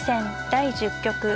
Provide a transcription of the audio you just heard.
第１０局。